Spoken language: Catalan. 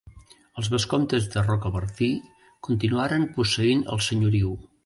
Els vescomtes de Rocabertí continuaren posseint el senyoriu.